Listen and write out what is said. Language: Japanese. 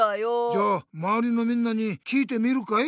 じゃあまわりのみんなに聞いてみるかい？